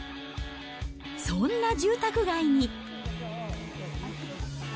そんな住宅街に。